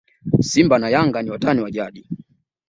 simba na yanga ni watani wa jadi